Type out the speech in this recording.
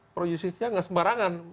pro justisnya tidak sembarangan